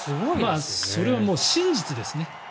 それは真実ですね。